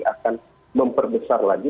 akan memperbesar lagi